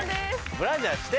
ブラジャーして！